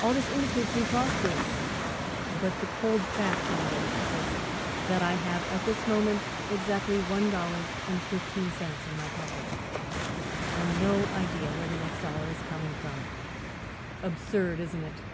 All this indicates me prosperous, but the cold fact, young ladies, is that I have at this moment exactly one dollar and fifteen cents in my pocket, and no idea where the next dollar is coming from. Absurd, isn't it?